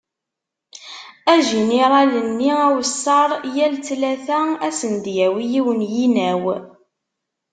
Ajiniral-nni awessar yal ttlata ad sen-d-yawi yiwen yinaw.